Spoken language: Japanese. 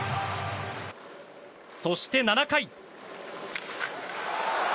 そして、７回。